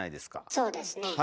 そうですね。